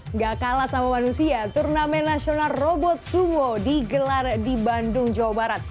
nggak kalah sama manusia turnamen nasional robot sumo digelar di bandung jawa barat